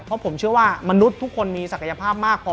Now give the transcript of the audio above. เพราะผมเชื่อว่ามนุษย์ทุกคนมีศักยภาพมากพอ